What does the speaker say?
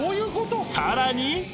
［さらに］